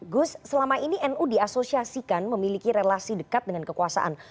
gus selama ini nu diasosiasikan memiliki relasi dekat dengan kekuasaan